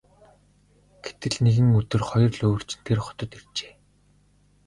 Гэтэл нэгэн өдөр хоёр луйварчин тэр хотод иржээ.